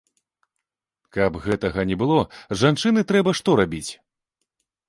Каб гэтага не было, жанчыне трэба што рабіць?